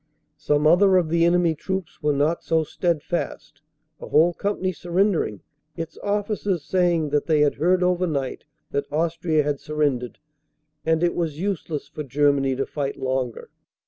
Some other of the enemy troops were not so steadfast, a whole company surrendering, its officers saying that they had heard over night that Austria had surrendered and it was use less for Germany to fight longer.